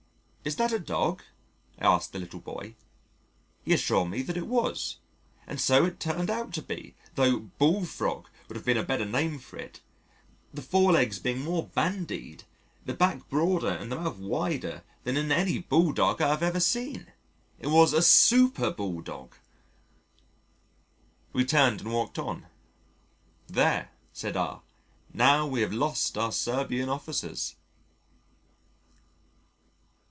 "Is that a Dog?" I asked the little boy. He assured me that it was, and so it turned out to be, tho' Bull frog would have been a better name for it, the forelegs being more bandied, the back broader and the mouth wider than in any Bulldog I have ever seen. It was a super Bulldog. We turned and walked on. "There," said R , "now we have lost our Serbian Officers."